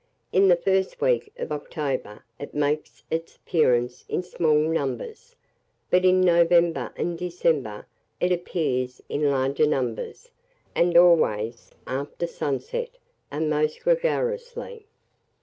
In the first week of October it makes its appearance in small numbers, but in November and December it appears in larger numbers, and always after sunset, and most gregariously.